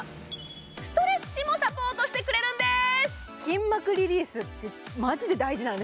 ストレッチもサポートしてくれるんです